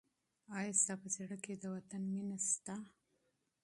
آیا ستا په زړه کې د وطن مینه شته؟